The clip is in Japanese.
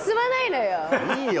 いいよ。